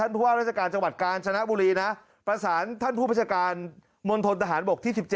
พุธว่าราชการจังหวัดการชนะบุรีนะครับ